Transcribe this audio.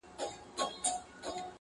رپا د سونډو دي زما قبر ته جنډۍ جوړه كړه